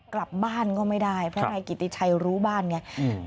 กลับบ้านก็ไม่ได้เพราะนายกิติชัยรู้บ้านไงอืม